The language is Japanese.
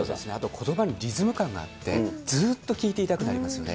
ことばにリズム感があって、ずーっと聞いていたくなりますよね。